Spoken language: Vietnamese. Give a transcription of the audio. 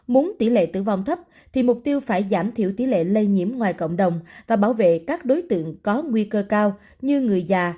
muốn tỷ lệ tử vong thấp thì mục tiêu phải giảm thiểu tỷ lệ lây nhiễm ngoài cộng đồng và bảo vệ các đối tượng có nguy cơ cao như người già